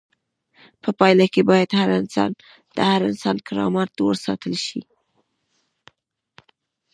په پایله کې باید د هر انسان کرامت وساتل شي.